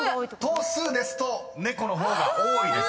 ［頭数ですと猫の方が多いです］